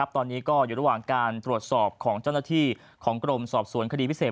ตอนนี้ก็อยู่ระหว่างการตรวจสอบของเจ้าหน้าที่ของกรมสอบสวนคดีพิเศษ